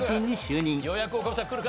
ようやく岡部さんくるか？